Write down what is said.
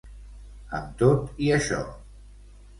Amb tot i això.